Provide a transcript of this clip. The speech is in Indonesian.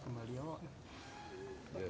kembali ya pak